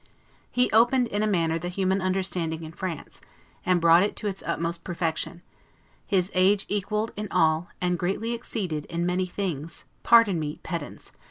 He opened in a manner the human understanding in France, and brought it to its utmost perfection; his age equalled in all, and greatly exceeded in many things (pardon me, Pedants!)